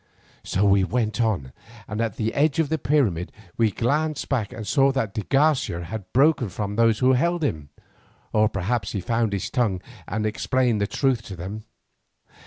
So we went on, and at the edge of the pyramid we glanced back and saw that de Garcia had broken from those who held him, or perhaps he found his tongue and had explained the truth to them.